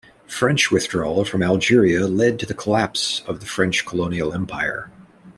French withdrawal from Algeria led to the collapse of the French colonial empire.